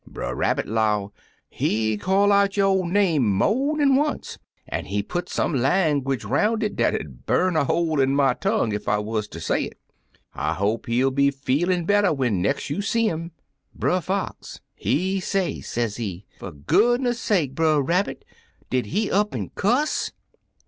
Brer Rabbit 'low, 'He call out yo' name mo' dan once, an' he put some langwidge 'roim' it dat 'ud bum a hole in my tongue ef I wuz ter say it. I hope he'll be feelin' better when nex' you see 'im.' Brer Fox, he say, sezee, 'Fer goodness' sake. Brer Rabbit! Did he up an' cuss?'